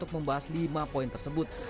pertama poin tersebut